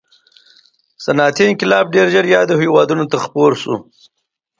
صنعتي انقلاب ډېر ژر یادو هېوادونو ته خپور شو.